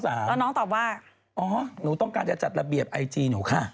แล้วน้องตอบว่าอ๋อหนูต้องการจะจัดระเบียบไอจีหนูค่ะ